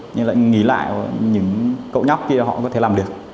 nhưng lại nghĩ lại những cậu nhóc kia họ có thể làm được